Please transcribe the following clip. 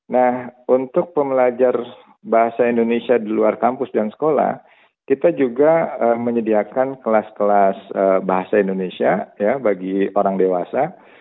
nah untuk pembelajar bahasa indonesia di luar kampus dan sekolah kita juga menyediakan kelas kelas bahasa indonesia bagi orang dewasa